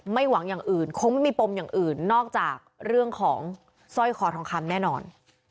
หวังอย่างอื่นคงไม่มีปมอย่างอื่นนอกจากเรื่องของสร้อยคอทองคำแน่นอน